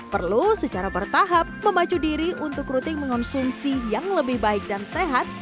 perlu secara bertahap memacu diri untuk rutin mengonsumsi yang lebih baik dan sehat